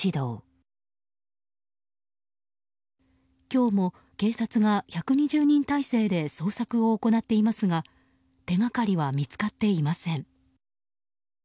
今日も警察が１２０人態勢で捜索を行っていますが手掛かりは見つかっていません。